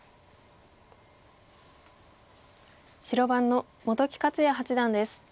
白番の本木克弥八段です。